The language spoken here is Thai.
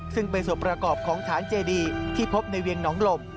ซึ่งเป็นส่วนประกอบของฐานเจดีที่พบในเวียงหนองลม